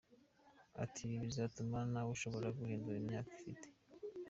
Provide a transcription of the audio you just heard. Ati "Ibi bizatuma ntawe ushobora guhindura imyaka afite.